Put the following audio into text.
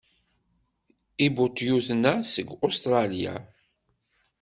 Ibutyuten-a seg Ustṛalya.